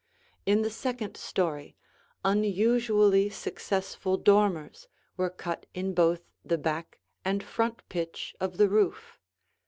In the second story, unusually successful dormers were cut in both the back and front pitch of the roof.